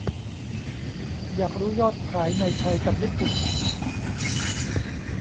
อยากรู้ยอดขาย ในไทยกับญี่ปุ่น